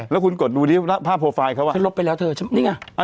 แล้วคุณกดดูภาพโพลไฟล์เค้าว่านี่ไงโพลไฟล์เห็นไหม